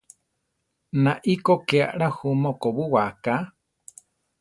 Nai kó ké ala jú mokobúwa aká.